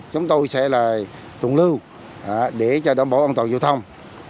chúng tôi sẽ là tùng lưu để đảm bảo an toàn giao thông